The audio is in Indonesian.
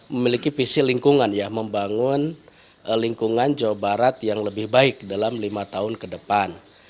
memiliki visi lingkungan ya membangun lingkungan jawa barat yang lebih baik dalam lima tahun ke depan